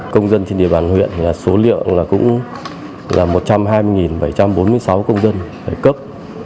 công dân trên địa bàn huyện số liệu là một trăm hai mươi bảy trăm bốn mươi sáu công dân cấp